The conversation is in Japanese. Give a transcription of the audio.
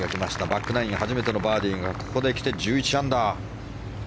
バックナイン初めてのバーディーが、ここできて１１アンダー。